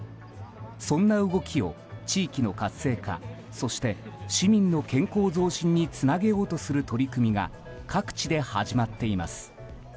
そんな動きを地域の活性化そして市民の健康増進につなげようとする取り組みが各地で始まっています。